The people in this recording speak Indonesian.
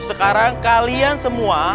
sekarang kalian semua